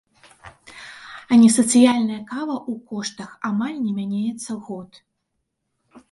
А несацыяльная кава ў коштах амаль не мяняецца год.